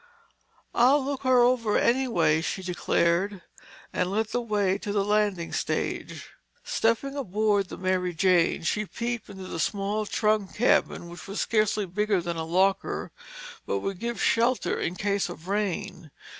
"I'll look her over anyway," she declared and led the way to the landing stage. Stepping aboard the Mary Jane, she peeped into the small trunk cabin which was scarcely bigger than a locker, but would give shelter in case of rain.